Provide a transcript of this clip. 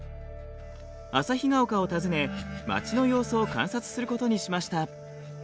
旭ヶ丘を訪ね町の様子を観察することにしました。